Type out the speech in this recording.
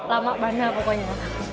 lama bana pokoknya